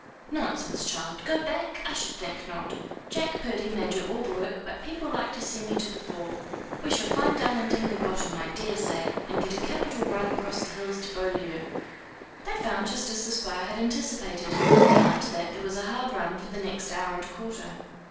"Nonsense, child! Go back! I should think not! Jack Purdy may do all the work, but people like to see me to the fore. We shall find down in Dingley Bottom, I daresay, and get a capital run across the hills to Beaulieu." They found just as the Squire had anticipated, and after that there was a hard run for the next hour and a quarter.